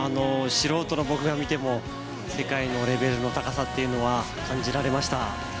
素人の僕が見ても世界のレベルの高さというのは感じられました。